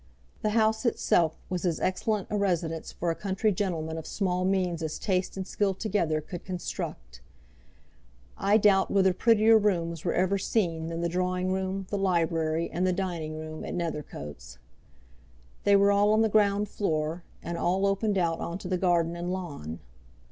The house itself was as excellent a residence for a country gentleman of small means as taste and skill together could construct. I doubt whether prettier rooms were ever seen than the drawing room, the library, and the dining room at Nethercoats. They were all on the ground floor, and all opened out on to the garden and lawn.